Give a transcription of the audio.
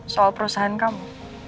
soal perusahaan kamu